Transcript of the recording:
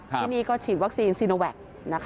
ที่นี่ก็ฉีดวัคซีนซีโนแวค